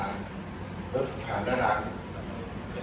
คุณพร้อมคุณพร้อมกับเต้ย